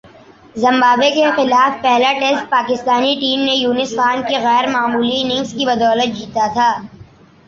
Zimbabwe کے خلاف پہلا ٹیسٹ پاکستانی ٹیم نے یونس خان کی غیر معمولی اننگز کی بدولت جیتا تھا ۔